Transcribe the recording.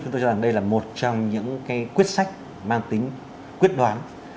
tôi cho rằng đây là một trong những quyết sách mang tính quyết đoán